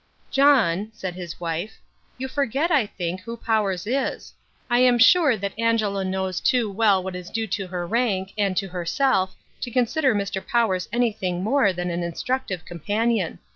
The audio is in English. "John," said his wife, "you forget, I think, who Mr. Powers is. I am sure that Angela knows too well what is due to her rank, and to herself, to consider Mr. Powers anything more than an instructive companion.